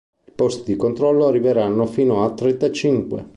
I posti di controllo arriveranno fino a trentacinque.